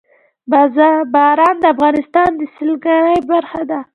باران د افغانستان د سیلګرۍ برخه ده.